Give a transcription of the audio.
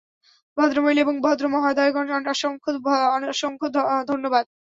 ভদ্রমহিলা এবং ভদ্রমহোদয়গণ, অসংখ্য ধন্যবাদ।